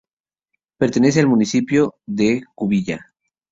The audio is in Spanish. Pertenece al municipio de Cubilla.